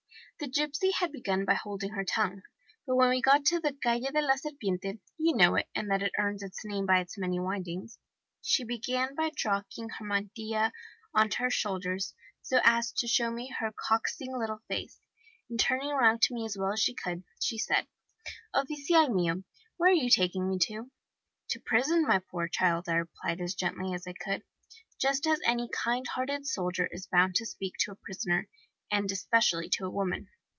The gipsy had begun by holding her tongue. But when we got to the Calle de la Serpiente you know it, and that it earns its name by its many windings she began by dropping her mantilla on to her shoulders, so as to show me her coaxing little face, and turning round to me as well as she could, she said: "'Oficial mio, where are you taking me to?' "'To prison, my poor child,' I replied, as gently as I could, just as any kind hearted soldier is bound to speak to a prisoner, and especially to a woman.